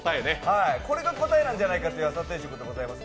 これが答えなんじゃないかという朝定食でございます。